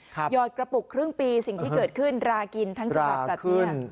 หยอดกระปุกครึ่งปีสิ่งที่เกิดขึ้นรากินทั้งฉบับแบบนี้